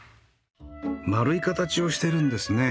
丸い形をしてるんですね。